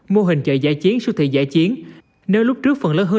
mô hình chợ giả chiến siêu thị giả chiến nơi lúc trước phần lớn hơn